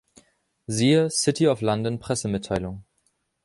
Siehe: City of London Pressemitteilung.